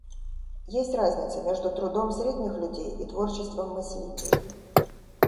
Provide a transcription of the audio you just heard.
Есть разница между трудом средних людей и творчеством мыслителей.